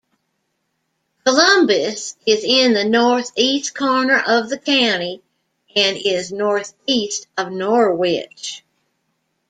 Columbus is in the northeast corner of the county and is northeast of Norwich.